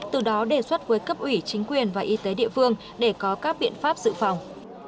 từ đó đề xuất với cấp ủy chính quyền và y tế địa phương để có các biện pháp dự phòng